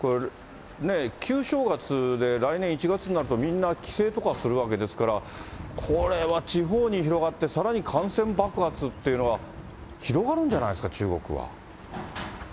旧正月で来年１月になると、みんな帰省とかするわけですから、これは地方に広がって、さらに感染爆発っていうのが広がるんじゃないですか、中国は。